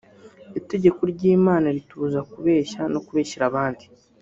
Itegeko ry’Imana ritubuza kubeshya no kubeshyera abandi